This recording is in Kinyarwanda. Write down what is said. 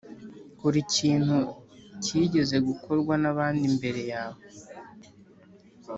gukora ikintu cyigeze gukorwa n’abandi mbere yawe,